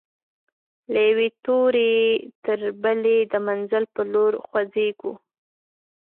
له یوې توري تر بلي د منزل پر لور خوځيږو